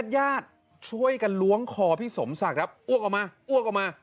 ญาติช่วยกันล้วงคอพี่สมศักดิ์ครับอ้วกออกมา